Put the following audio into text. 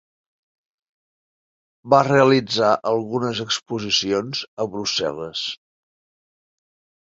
Va realitzar algunes exposicions a Brussel·les.